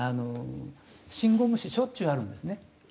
信号無視しょっちゅうあるんですね。